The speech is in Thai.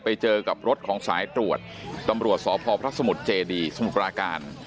ไปเจอกับรถของสายตรวจตำรวจสพพระสมุทรเจดีสมุทรปราการ